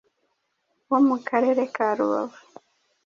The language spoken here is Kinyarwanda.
wo mu Karere ka Rubavu